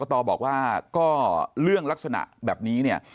กรกฎอบอกว่าเรื่องลักษณะแบบนี้